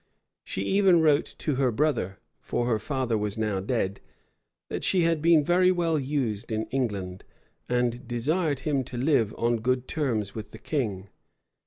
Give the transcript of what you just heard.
[] She even wrote to her brother, (for her father was now dead,) that she had been very well used in England, and desired him to live on good terms with the king.